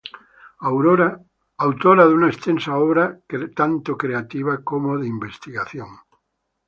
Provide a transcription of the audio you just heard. Autora de una extensa obra tanto creativa como de investigación.